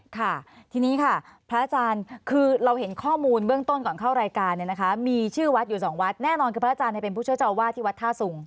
ค่ะทีนี้ค่ะพระอาจารย์คือเราเห็นข้อมูลเบื้องต้นก่อนเข้ารายการเนี่ยนะคะมีชื่อวัดอยู่สองวัดแน่นอนคือพระอาจารย์เป็นผู้ช่วยเจ้าอาวาสที่วัดท่าสุง